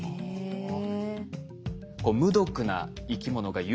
へえ。